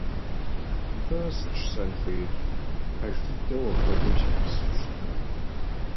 НтӀэ, сыт жысӀэн хуейр, пэж дыдэу апхуэдэу сегупсысу щытмэ?